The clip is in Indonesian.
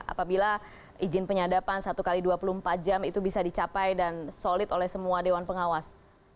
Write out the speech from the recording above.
apabila izin penyadapan satu x dua puluh empat jam itu bisa dicapai dan solid oleh semua dewan pengawas